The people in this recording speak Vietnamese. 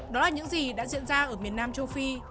đó là những gì đã diễn ra ở miền nam châu phi